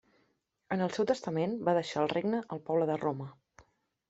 En el seu testament va deixar el regne al poble de Roma.